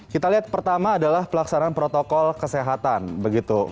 kita lihat pertama adalah pelaksanaan protokol kesehatan begitu